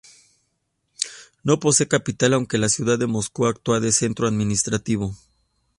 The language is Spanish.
No posee capital aunque la ciudad de Moscú actúa de centro administrativo.